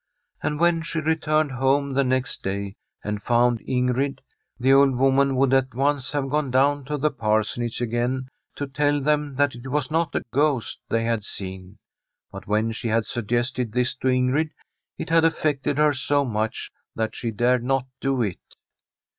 And when she returned home the next day and found Ingrid, the old woman would at once have gone down to the Parsonage again to tell them that it was not a ghost they had seen ; but when she had suggested this to Ingrid, it had affected her so much that she dared not do it.